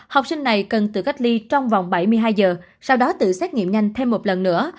học sinh này cần tự cách ly trong vòng bảy mươi hai giờ sau đó tự xét nghiệm nhanh thêm một lần nữa